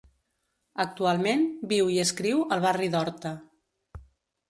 Actualment, viu i escriu al barri d'Horta.